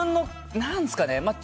何ですかね。